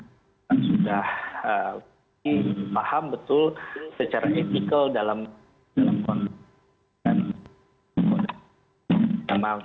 itu sudah dipahami betul secara etikal dalam konteks ini